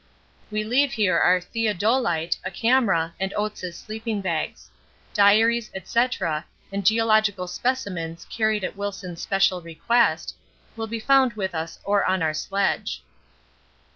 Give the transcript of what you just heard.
We leave here our theodolite, a camera, and Oates' sleeping bags. Diaries, &c., and geological specimens carried at Wilson's special request, will be found with us or on our sledge.